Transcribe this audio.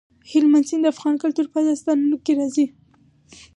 هلمند سیند د افغان کلتور په داستانونو کې راځي.